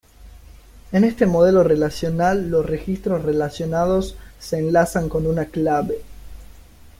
En este modelo relacional los registros relacionados se enlazan con una "clave".